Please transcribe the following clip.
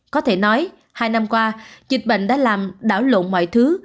có thể nói hai năm qua dịch bệnh đã làm đảo lộn mọi thứ